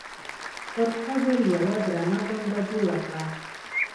پر قبر یوه درنه غونډه جوړه کړه.